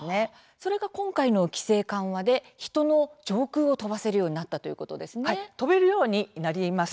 それが、今回の規制緩和で人の上空を飛ばせるように飛べるようになります。